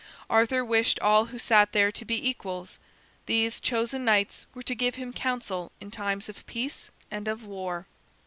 Arthur wished all who sat there to be equals. These chosen knights were to give him council in times of peace and of war.